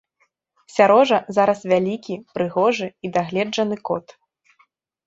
Сярожа зараз вялікі, прыгожы і дагледжаны кот.